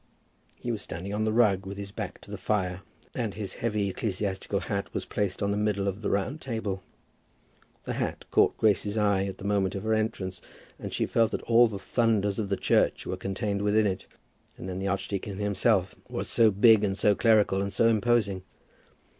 He was standing on the rug, with his back to the fire, and his heavy ecclesiastical hat was placed on the middle of the round table. The hat caught Grace's eye at the moment of her entrance, and she felt that all the thunders of the Church were contained within it. And then the archdeacon himself was so big and so clerical, and so imposing!